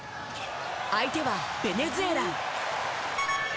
相手はベネズエラ。